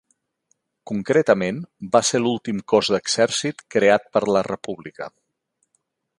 Concretament, va ser l'últim cos d'exèrcit creat per la República.